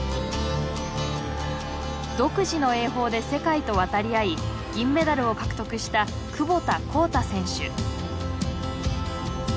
独自の泳法で世界と渡り合い銀メダルを獲得した窪田幸太選手。